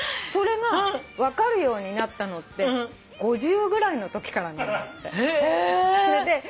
それが分かるようになったのって５０ぐらいのときからなんだって。